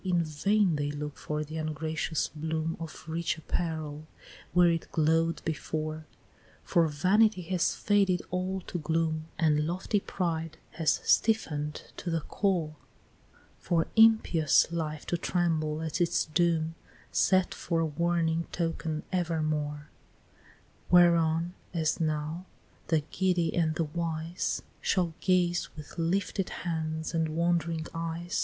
In vain they look for the ungracious bloom Of rich apparel where it glow'd before, For Vanity has faded all to gloom, And lofty Pride has stiffen'd to the core, For impious Life to tremble at its doom, Set for a warning token evermore, Whereon, as now, the giddy and the wise Shall gaze with lifted hands and wond'ring eyes.